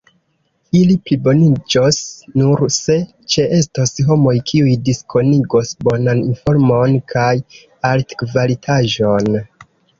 Ili pliboniĝos nur, se ĉeestos homoj kiuj diskonigos bonan informon kaj altkvalitaĵon.